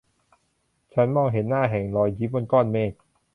ฉันมองเห็นหน้าแห่งรอยยิ้มบนก้อนเมฆ